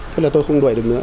thế là tôi không đuổi được nữa